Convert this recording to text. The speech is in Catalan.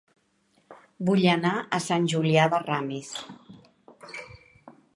Vull anar a Sant Julià de Ramis